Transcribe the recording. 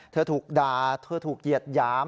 ถูกด่าเธอถูกเหยียดหยาม